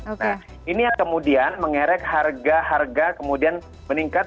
nah ini yang kemudian mengerek harga harga kemudian meningkat